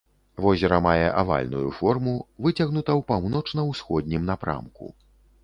Возера мае авальную форму, выцягнута ў паўночна-ўсходнім напрамку.